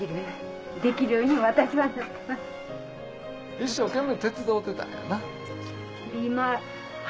一生懸命手伝うてたんやな。